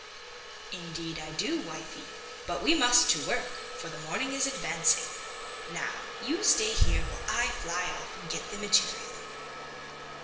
"Indeed I do, wifey; but we must to work, for the morning is advancing. Now, you stay here, while I fly off and get the material."